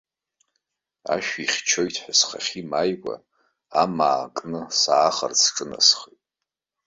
Ашә ихьчоит ҳәа схахьы имааикәа, амаа кны саахарц сҿынасхеит.